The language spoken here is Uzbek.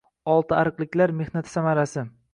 Oltiariqliklar mehnati samarasi